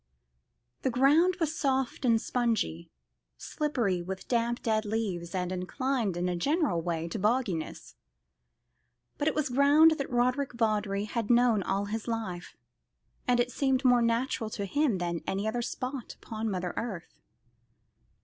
The ground was soft and spongy, slippery with damp dead leaves, and inclined in a general way to bogginess; but it was ground that Roderick Vawdrey had known all his life, and it seemed more natural to him than any other spot upon mother earth.